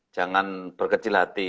jangan berkecil hati